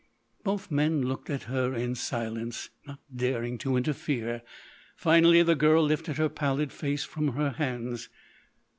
Both men looked at her in silence, not daring to interfere. Finally the girl lifted her pallid face from her hands.